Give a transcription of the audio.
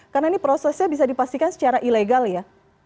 karena ini prosesnya bisa dipastikan secara ilegal ya